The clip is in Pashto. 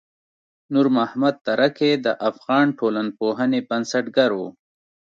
نورمحمد ترکی د افغان ټولنپوهنې بنسټګر و.